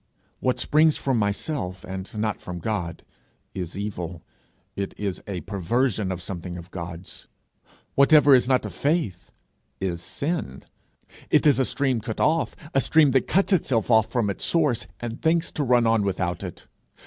What springs from myself and not from God, is evil; it is a perversion of something of God's. Whatever is not of faith is sin; it is a stream cut off a stream that cuts itself off from its source, and thinks to run on without it.